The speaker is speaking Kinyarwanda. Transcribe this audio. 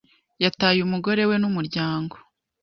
yataye umugore we n'umuryango.